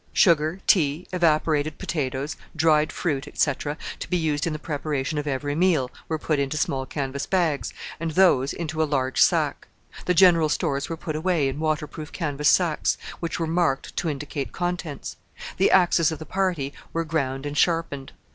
Sugar, tea, evaporated potatoes, dried fruit, etc., to be used in the preparation of every meal, were put into small canvas bags, and those into a large sack. The general stores were put away in waterproof canvas sacks, which were marked to indicate contents. The axes of the party were ground and sharpened.